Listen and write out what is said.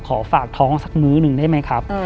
ขอฝากท้องสักมื้อหนึ่งได้ไหมครับ